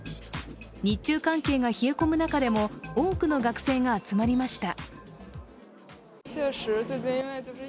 日中関係が冷え込む中でも多くの学生が集まりました。